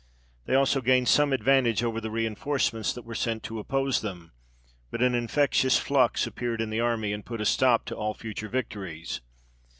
They also gained some advantage over the reinforcements that were sent to oppose them; but an infectious flux appeared in the army, and put a stop to all future victories.